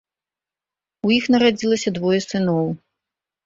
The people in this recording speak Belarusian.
У іх нарадзілася двое сыноў.